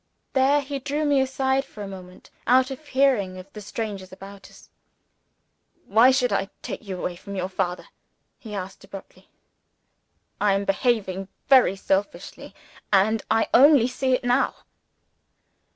There, he drew me aside for a moment out of hearing of the strangers about us. "Why should I take you away from your father?" he asked abruptly. "I am behaving very selfishly and I only see it now."